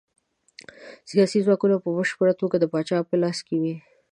سیاسي ځواک په بشپړه توګه د پاچا په لاس کې و.